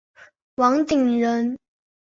王鼎人。